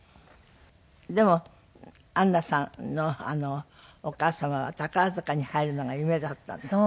でも安奈さんのお母様は宝塚に入るのが夢だったんですって？